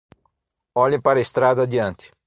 Olhe para a estrada adiante